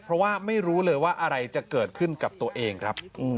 เพราะว่าไม่รู้เลยว่าอะไรจะเกิดขึ้นกับตัวเองครับ